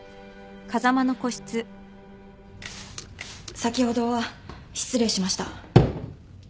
先ほどは失礼しました。